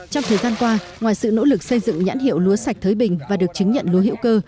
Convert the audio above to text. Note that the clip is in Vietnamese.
trong thời gian qua ngoài sự nỗ lực xây dựng nhãn hiệu lúa sạch thới bình và được chứng nhận lúa hữu cơ